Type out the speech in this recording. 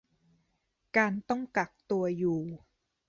การต้องกักตัวอยู่